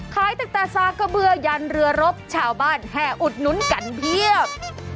ขายตั้งแต่ซากะเบือยันเรือรบชาวบ้านแห่อุดนุนกันเพียบ